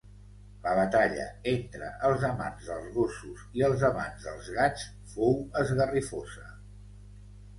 La batalla entre els amants dels gossos i els amants dels gats fou esgarrifosa